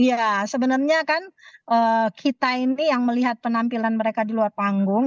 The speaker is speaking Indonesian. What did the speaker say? ya sebenarnya kan kita ini yang melihat penampilan mereka di luar panggung